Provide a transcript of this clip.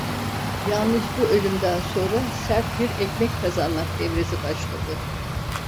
Yalnız bu ölümden sonra sert bir "ekmek kazanmak" devresi başladı.